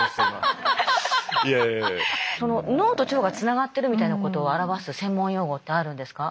脳と腸がつながってるみたいなことを表す専門用語ってあるんですか？